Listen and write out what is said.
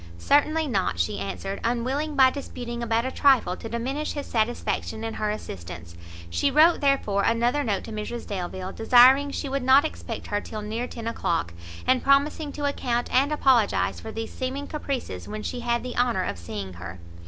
"Certainly not;" she answered, unwilling by disputing about a trifle to diminish his satisfaction in her assistance. She wrote, therefore, another note to Mrs Delvile, desiring she would not expect her till near ten o'clock, and promising to account and apologize for these seeming caprices when she had the honour of seeing her.